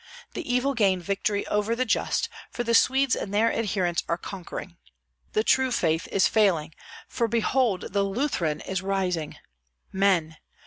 The evil gain victory over the just, for the Swedes and their adherents are conquering. The true faith is failing, for behold the Lutheran is rising. Men!